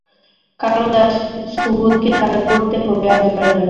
কালুদা, সুবোধকে তার করতে হবে আসবার জন্যে।